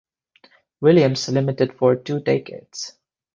Williams Limited for two decades.